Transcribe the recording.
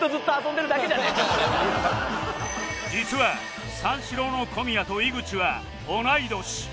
実は三四郎の小宮と井口は同い年